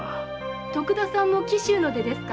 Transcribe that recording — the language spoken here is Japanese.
徳田さんも紀州の出ですか？